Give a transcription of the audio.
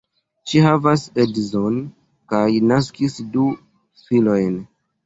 Ŝi havas edzon kaj naskis du filojn.